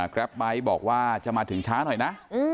แรปไบท์บอกว่าจะมาถึงช้าหน่อยนะ